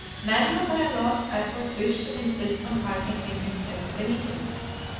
Manoel by a last effort wished to insist on fighting him instead of Benito.